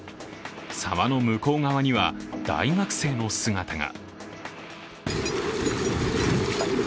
佐波の向こう側には大学生の姿が。